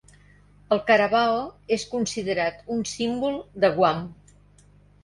El carabao és considerat un símbol de Guam.